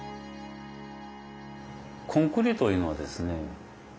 コンクリートいうのはですね